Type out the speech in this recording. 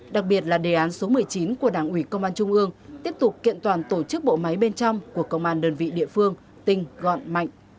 đặc biệt là đề án số một mươi chín của đảng ủy công an trung ương tiếp tục kiện toàn tổ chức bộ máy bên trong của công an đơn vị địa phương tinh gọn mạnh